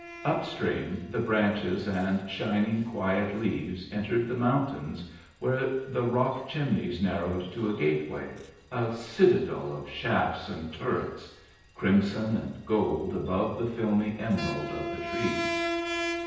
Upstream the branches and shining, quiet leaves entered the mountains where the rock chimneys narrowed to a gateway, a citadel of shafts and turrets, crimson and gold above the filmy emerald of the trees.